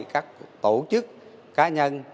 các tổ chức cá nhân